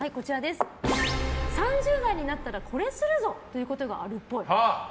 ３０代になったらこれするぞ！ということがあるっぽい。